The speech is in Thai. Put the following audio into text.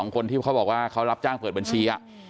คนที่เขาบอกว่าเขารับจ้างเปิดบัญชี